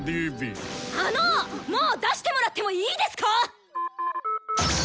あのッもう出してもらってもいいですか